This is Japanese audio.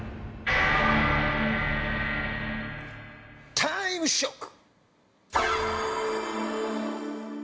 タイムショック！